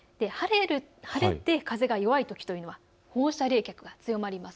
晴れて風が弱いときは放射冷却が強まります。